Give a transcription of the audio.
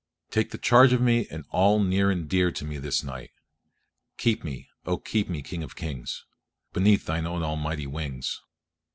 Take the charge of me and of all near and dear to me this night. Keep me, O keep me, King of kings, beneath Thine own Almighty wings.